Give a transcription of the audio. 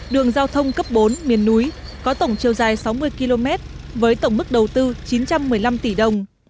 đường giao thông cấp bốn miền núi có tổng chiều dài sáu mươi km với tổng mức đầu tư chín trăm một mươi năm tỷ đồng